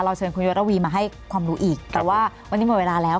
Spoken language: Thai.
เชิญคุณยศระวีมาให้ความรู้อีกแต่ว่าวันนี้หมดเวลาแล้ว